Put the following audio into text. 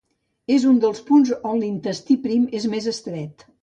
És un dels punts on l'intestí prim és més estret.